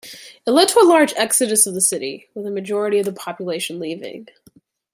It led to a large exodus of the city, with a majority of the population leaving.